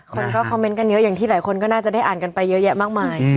คนก็คอมเมนต์กันเยอะอย่างที่หลายคนก็น่าจะได้อ่านกันไปเยอะแยะมากมาย